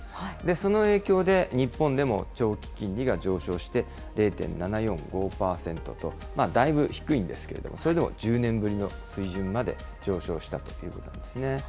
その影響で、日本でも長期金利が上昇して、０．７４５％と、だいぶ低いんですけれども、それでも１０年ぶりの水準まで上昇したということなんですね。